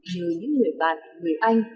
nhờ những người bạn người anh